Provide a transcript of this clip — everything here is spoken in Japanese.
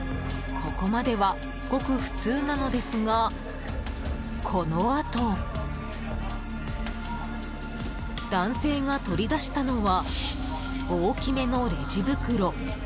ここまでは、ごく普通なのですがこのあと。男性が取り出したのは大きめのレジ袋。